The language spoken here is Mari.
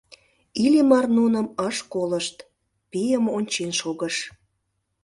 Иллимар нуным ыш колышт — пийым ончен шогыш.